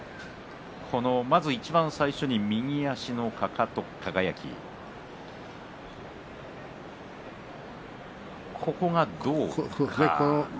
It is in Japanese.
まず、いちばん最初に右足のかかとここがどうかというところですね。